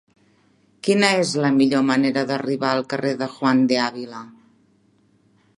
Quina és la millor manera d'arribar al carrer de Juan de Ávila?